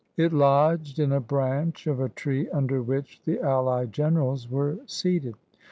It lodged in a branch of a tree under which the allied generals were seated.